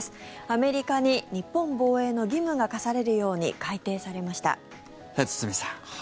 アメリカに日本防衛の義務が課されるように改訂されました。